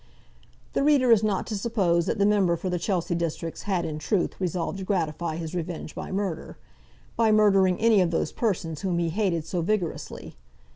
The reader is not to suppose that the Member for the Chelsea Districts had, in truth, resolved to gratify his revenge by murder, by murdering any of those persons whom he hated so vigorously.